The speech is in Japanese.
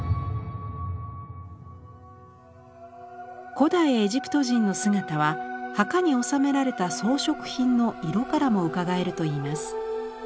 古代エジプト人の姿は墓に納められた装飾品の色からもうかがえるといいます。